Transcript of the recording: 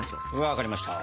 分かりました。